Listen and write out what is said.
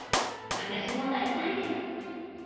私もなりたいです。